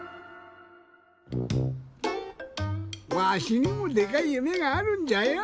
わしにもでかい夢があるんじゃよ。